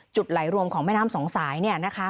จุดไหลรวมของแม่น้ำสองสายนะคะ